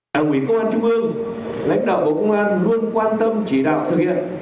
đảng ủy công an trung ương lãnh đạo bộ công an luôn quan tâm chỉ đạo thực hiện